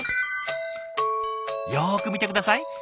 よく見て下さい。